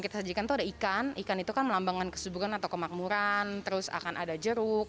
kita sajikan itu ada ikan ikan itu kan melambangkan kesuburan atau kemakmuran terus akan ada jeruk